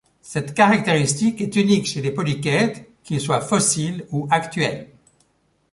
Cette caractéristique est unique chez les polychètes qu'ils soient fossiles ou actuels.